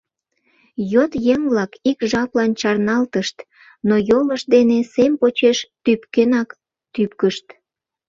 Йот еҥ-влак ик жаплан чарналтышт, но йолышт дене сем почеш тӱпкенак тӱпкышт.